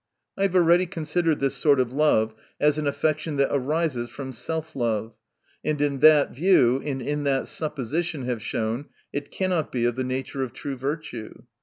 I have already consi dered this sort of love as an affection that arises from self love ; and in that view, and in that supposition have shown, it cannot be of the nature of true virtue.